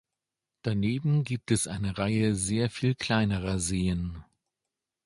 Daneben gibt es eine Reihe sehr viel kleinerer Seen.